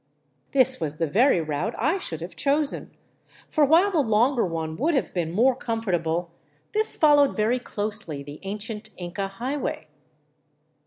This was the very route I should have chosen, for while the longer one would have been more comfortable, this fol lowed very closely the ancient Inca highway.